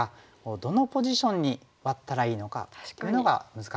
どのポジションにワッたらいいのかというのが難しいですよね。